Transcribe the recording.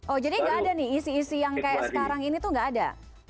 oh jadi gak ada nih isi isi yang kayak sekarang ini tuh gak ada